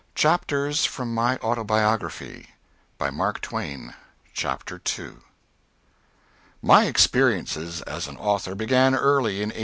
CHAPTERS FROM MY AUTOBIOGRAPHY. II. BY MARK TWAIN. II. My experiences as an author began early in 1867.